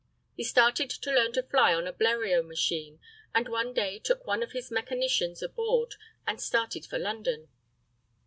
He started to learn to fly on a Bleriot machine, and one day took one of his mechanicians aboard and started for London.